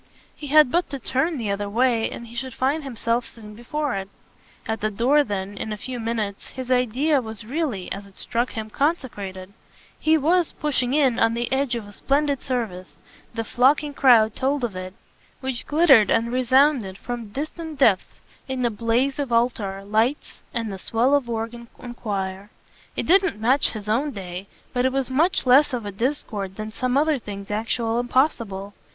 He had but to turn the other way and he should find himself soon before it. At the door then, in a few minutes, his idea was really as it struck him consecrated: he was, pushing in, on the edge of a splendid service the flocking crowd told of it which glittered and resounded, from distant depths, in the blaze of altar lights and the swell of organ and choir. It didn't match his own day, but it was much less of a discord than some other things actual and possible.